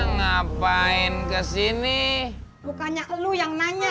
ngapain kesini bukannya lu yang nanya